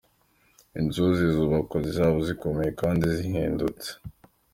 Inzu zizubakwa zizaba zikomeye kandi zihendutse.